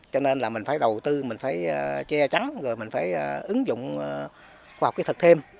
cho nên là mình phải đầu tư mình phải che chắn rồi mình phải ứng dụng khoa học kỹ thực thêm